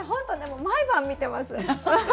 毎晩見てます。